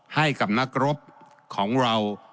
ให้กับนักรบของเรา